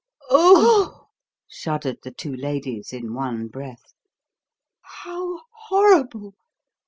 "Oh!" shuddered the two ladies in one breath. "How horrible!